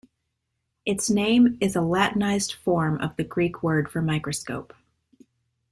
Its name is a Latinised form of the Greek word for microscope.